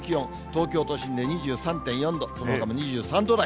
東京都心で２３．４度、そのほかも２３度台。